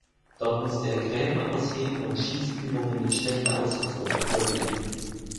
Dort musste er Gräben ausheben und Schießübungen mit schlechter Ausrüstung absolvieren.